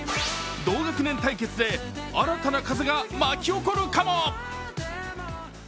同学年対決で新たな風が巻き起こるかも。